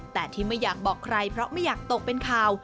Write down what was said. แต่ที่ไม่อยากบอกใครเพราะไม่อยากตกเป็นข่าว